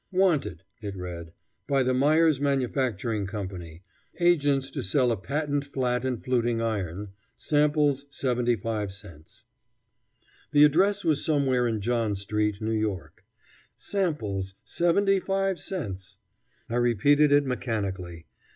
"Wanted," it read, "by the Myers Manufacturing Company, agents to sell a patent flat and fluting iron. Samples 75 cents." The address was somewhere in John Street, New York. Samples seventy five cents! I repeated it mechanically.